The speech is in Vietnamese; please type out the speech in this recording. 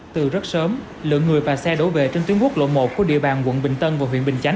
từ rất sớm lượng người và xe đổ về trên tuyến quốc lộ một của địa bàn quận bình tân và huyện bình chánh